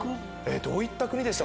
どういった国でした？